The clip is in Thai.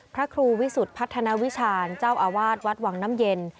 พระครูวิสุทธิ์พัฒนาวิชาญเจ้าอาวาสวัดวังน้ำเย็น